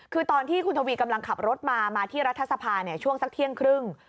คือตอนที่คุณทวีกำลังขับรถมามาที่รัฐสภาช่วงสักเที่ยงครึ่ง